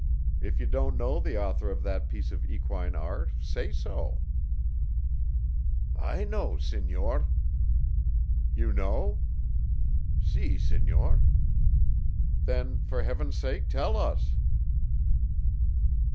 If you don't know the author of that piece of equine art say so." "I know, senor." "You know?" "Si, senor." "Then, for Heaven's sake, tell us."